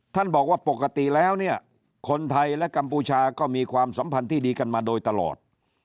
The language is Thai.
บอกว่าปกติแล้วเนี่ยคนไทยและกัมพูชาก็มีความสัมพันธ์ที่ดีกันมาโดยตลอด